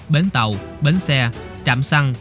bến tàu bến xe trạm xăng